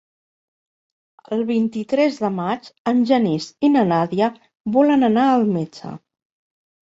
El vint-i-tres de maig en Genís i na Nàdia volen anar al metge.